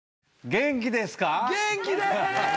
元気です。